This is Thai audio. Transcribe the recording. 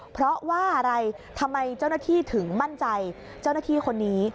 เพราะว่าอะไรทำไมเจ้าหน้าที่ถึงมั่นใจเจ้าหน้าที่คนนี้